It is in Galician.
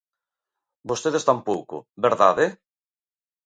Vostedes tampouco, verdade?